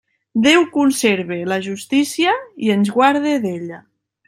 Déu conserve la justícia i ens guarde d'ella.